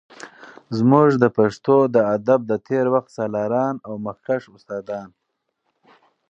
زمونږ د پښتو د ادب د تیر وخت سالاران او مخکښ استادان